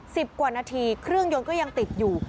สิบกว่านาทีเครื่องยนต์ก็ยังติดอยู่